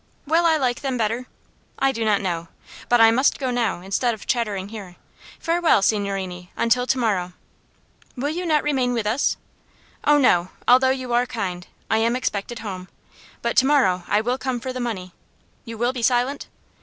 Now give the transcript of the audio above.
Will I like them better? I do not know. But I must go now, instead of chattering here. Farewell, signorini, until to morrow." "Will you not remain with us?" "Oh, no; although you are kind. I am expected home. But to morrow I will come for the money. You will be silent?"